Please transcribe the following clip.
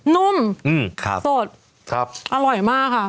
นุ่มสดอร่อยมากค่ะ